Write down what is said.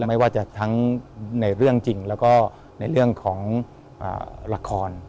ไม่ว่าจะทั้งในเรื่องจริงแล้วก็ในเรื่องของละคร